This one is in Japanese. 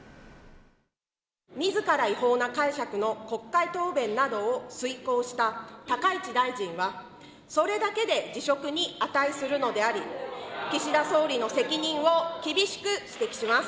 みずから違法な解釈の国会答弁などを遂行した高市大臣は、それだけで辞職に値するのであり、岸田総理の責任を厳しく指摘します。